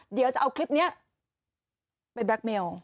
เดี๋ยวจะเอาคลิปนี้ไปแบล็คเมล